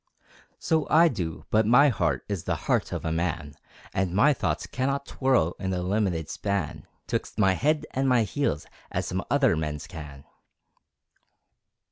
So I do, but my heart Is the heart of a man, And my thoughts cannot twirl In the limited span 'Twixt my head and my heels, As some other men's can.